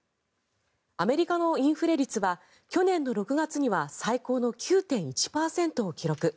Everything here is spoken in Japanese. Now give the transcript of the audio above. アメリカのインフレ率は去年の６月には最高の９．１％を記録。